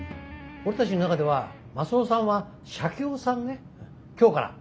俺たちの中ではマスオさんはシャケオさんね今日から。